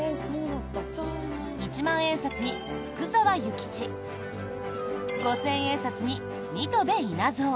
一万円札に福沢諭吉五千円札に新渡戸稲造